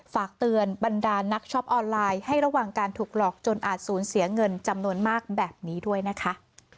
ฝากเตือนบรรดานักช็อปออนไลน์ให้ระวังการถูกหลอกจนอาจสูญเสียเงินจำนวนมากแบบนี้ด้วยนะคะ